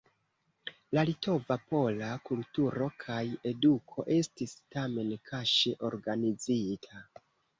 La Litova-Pola kulturo kaj eduko estis tamen kaŝe organizita.